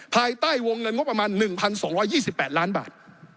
ภายใต้วงเงินงบประมาณ๑๒๒๘ล้านบาท